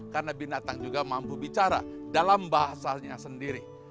karena binatang juga mampu bicara dalam bahasanya sendiri